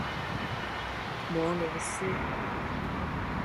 摩罗斯。